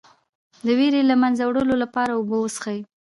د ویرې د له منځه وړلو لپاره اوبه وڅښئ